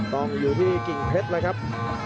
ต้องอยู่ที่กิ่งเพชรแล้วครับ